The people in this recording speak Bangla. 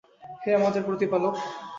হে আমাদের প্রতিপালক!